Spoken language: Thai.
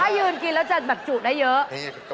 ถ้ายืนกินแล้วจะแบบจุได้เยอะ